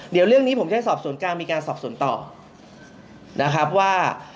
เดี๋ยวเรื่องนี้ผมจะให้สอบสวนกลางมีการสอบสวนต่อนะครับว่า